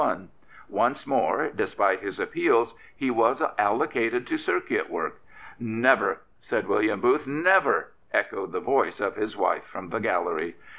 Once more, despite his appeals, he was cdlocated to circuit work. " Never! " said William Booth. "Never!" echoed the voice of his wife from the gallery.